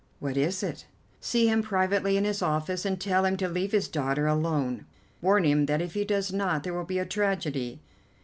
"What is it?" "See him privately in his office, and tell him to leave his daughter alone. Warn him that if he does not there will be a tragedy."